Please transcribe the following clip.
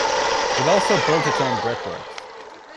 It also built its own brickworks.